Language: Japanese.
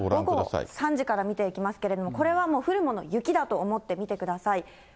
午後３時から見ていきますけれども、これは降るもの、雪だと思って見てください。